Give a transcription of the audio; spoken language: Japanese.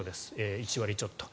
１割ちょっと。